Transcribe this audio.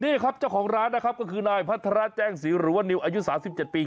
นี่ครับเจ้าของร้านนะครับก็คือนายพัฒระแจ้งศรีหรือว่านิวอายุ๓๗ปี